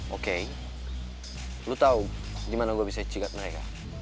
oke lu tau gimana gue bisa cicat mereka